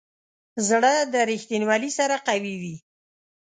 زړه د ریښتینولي سره قوي وي.